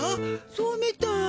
そうみたい。